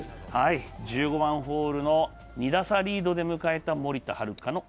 １５番ホールの２打差リードで迎えた森田。